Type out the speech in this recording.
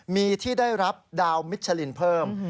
มีที่ได้รับดาวมิชลินเพิ่ม